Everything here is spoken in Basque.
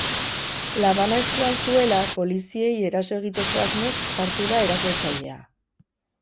Labana eskuan zuela, poliziei eraso egiteko asmoz sartu da erasotzailea.